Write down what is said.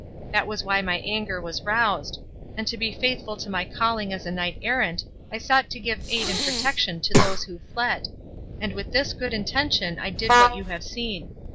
That was why my anger was roused; and to be faithful to my calling as a knight errant I sought to give aid and protection to those who fled, and with this good intention I did what you have seen.